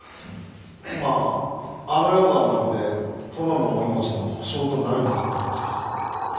まああのようなおなごで殿のお命の保証となるのかどうか。